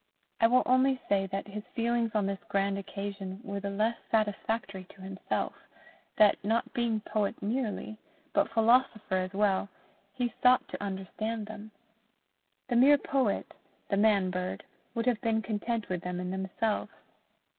I will only say that his feelings on this grand occasion were the less satisfactory to himself, that, not being poet merely, but philosopher as well, he sought to understand them: the mere poet, the man bird, would have been content with them in themselves.